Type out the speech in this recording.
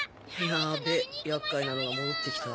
ヤベェ厄介なのが戻ってきた。